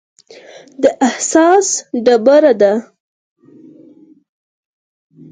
د اساس ډبره ده.